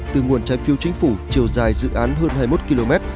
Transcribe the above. từ nguồn trái phiếu chính phủ chiều dài dự án hơn hai mươi một km